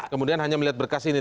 kemudian hanya melihat berkas ini